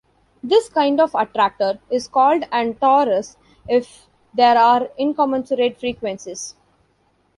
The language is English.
This kind of attractor is called an -torus if there are incommensurate frequencies.